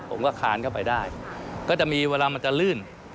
อาคารเข้าไปได้ก็จะมีเวลามันจะลื่น